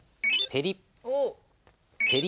ペリッ。